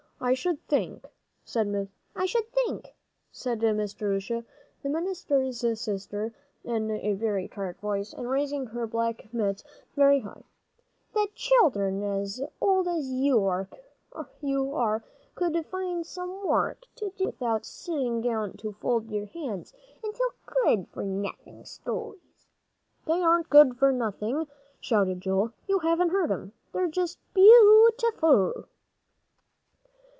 "I should think," said Miss Jerusha, the minister's sister, in a very tart voice, and raising her black mitts very high, "that children as old as you are could find some work to do, without sitting down to fold your hands and tell good for nothing stories." "They aren't good for nothing," shouted Joel. "You haven't heard 'em; they're just beautiful!"